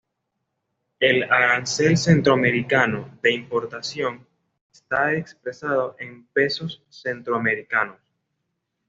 El Arancel Centroamericano de Importación está expresado en pesos centroamericanos.